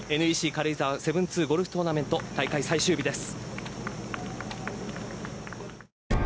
軽井沢７２ゴルフトーナメント大会最終日です。